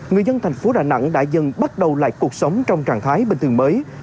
người dân thành phố đà nẵng đã dần bắt đầu lại cuộc sống trong trạng thái bình thường mới